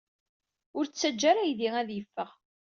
Ur ttaǧǧa ara aydi ad yeffeɣ.